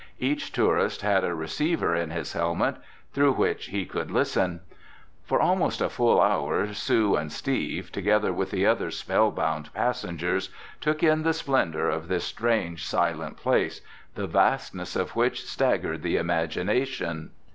Each tourist had a receiver in his helmet through which he could listen. For almost a full hour Sue and Steve, together with the other spell bound passengers, took in the splendor of this strange silent place, the vastness of which staggered the imagination.